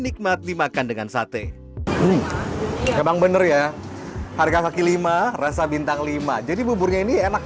nikmat dimakan dengan sate memang bener ya harga kaki lima rasa bintang lima jadi buburnya ini enak